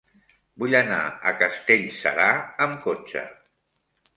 Vull anar a Castellserà amb cotxe.